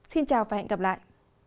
xin chào và hẹn gặp lại